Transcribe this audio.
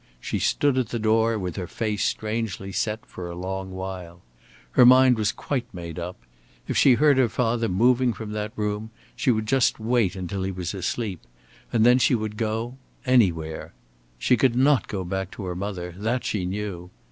She stood at the door, with her face strangely set for a long while. Her mind was quite made up. If she heard her father moving from that room, she would just wait until he was asleep, and then she would go anywhere. She could not go back to her mother, that she knew.